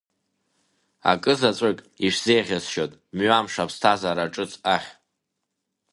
Акы заҵәык ишәзеиӷьасшьоит мҩамш аԥсҭазаара ҿыц ахь!